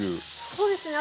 そうですね